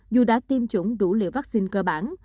dù đã tiêm chủng đủ liều vaccine cơ bản